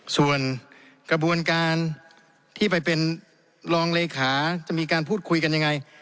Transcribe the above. ส่วนกระบวนการที่ไปเป็นรองเลขาจะมีการพูดคุยกันยังไง